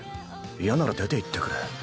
嫌なら出ていってくれ。